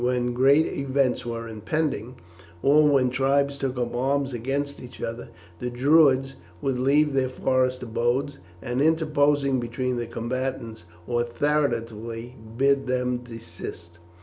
When great events were impending, or when tribes took up arms against each other, the Druids would leave their forest abodes, and, interposing between the combatants, authoritatively bid them desist.